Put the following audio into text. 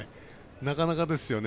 なかなかですよね